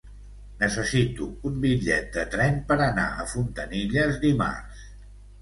Necessito un bitllet de tren per anar a Fontanilles dimarts.